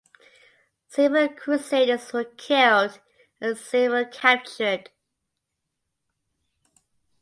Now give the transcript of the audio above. Several crusaders were killed and several captured.